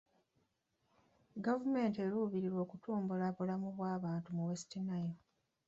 Gavumenti eruubirira kutumbula bulamu bw'abantu mu West Nile.